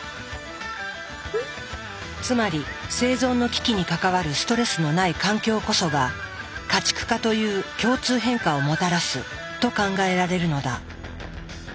つまり生存の危機に関わるストレスのない環境こそが家畜化という共通変化をもたらすと考えられるのだ。